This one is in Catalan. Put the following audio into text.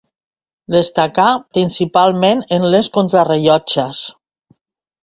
Destacà principalment en les contrarellotges.